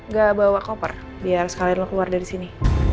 ga bawa koper biar sekalian lu keluar dari sini